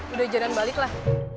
udah jalan balik lah